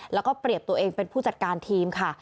แล้วก็เปรียบตัวเองเป็นผู้จัดการทีมค่ะ